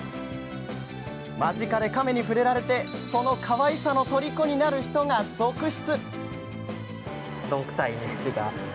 間近でカメに触れられてかわいさのとりこになる人が続出。